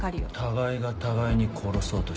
互いが互いに殺そうとしてる。